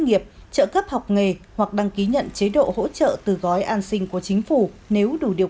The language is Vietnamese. nghiệp trợ cấp học nghề hoặc đăng ký nhận chế độ hỗ trợ từ gói an sinh của chính phủ nếu đủ điều